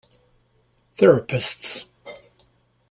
Therapists.